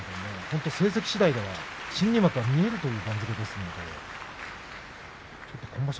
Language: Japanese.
成績しだいでは新入幕が見える感じですね。